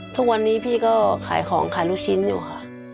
ทุกวันนี้พี่ก็ขายของขายลูกชิ้นอยู่ค่ะ